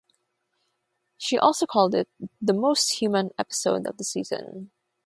She also called it the "most human" episode of the season.